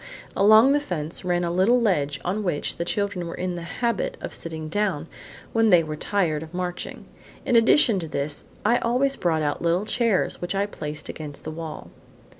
Along the fence, ran a little ledge on which the children were in the habit of sitting down when they were tired of marching. In addition to this, I always brought out little chairs, which I placed against the wall.